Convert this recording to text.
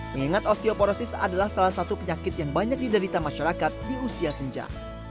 mengingat osteoporosis adalah salah satu penyakit yang banyak diderita masyarakat di usia senja